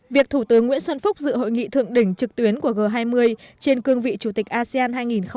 việc thủ tướng nguyễn xuân phúc dự hội nghị thượng đỉnh trực tuyến của g hai mươi trên cương vị chủ tịch asean hai nghìn hai mươi